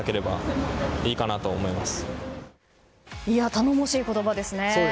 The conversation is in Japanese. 頼もしい言葉ですね。